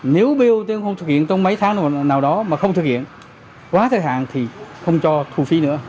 nếu bot không thực hiện trong mấy tháng nào đó mà không thực hiện quá thời hạn thì không cho thu phí nữa